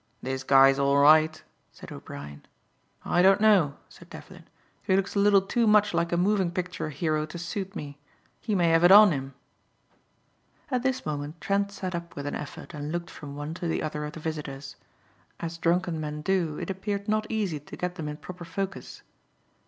"This guy is all right," said O'Brien. "I don't know," said Devlin. "He looks a little too much like a moving picture hero to suit me. He may have it on him." At this moment Trent sat up with an effort and looked from one to the other of the visitors. As drunken men do, it appeared not easy to get them in proper focus.